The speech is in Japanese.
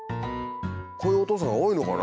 こういうおとうさんが多いのかな？